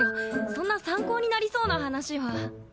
そんな参考になりそうな話は。